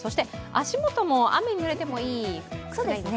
足元も雨にぬれてもいい靴がいいですかね。